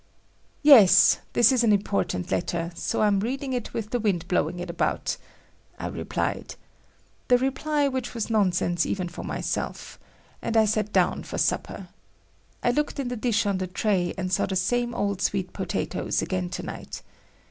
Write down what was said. "Yes, this is an important letter, so I'm reading it with the wind blowing it about," I replied—the reply which was nonsense even for myself,—and I sat down for supper. I looked in the dish on the tray, and saw the same old sweet potatoes again to night.